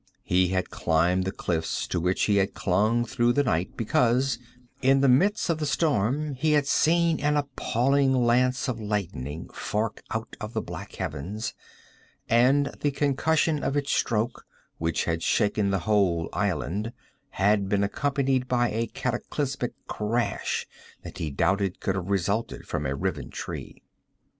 He had climbed the cliffs to which he had clung through the night because, in the midst of the storm, he had seen an appalling lance of lightning fork out of the black heavens, and the concussion of its stroke, which had shaken the whole island, had been accompanied by a cataclysmic crash that he doubted could have resulted from a riven tree.